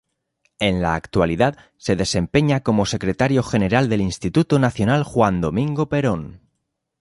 En la actualidad, se desempeña como Secretario General del Instituto Nacional Juan Domingo Perón.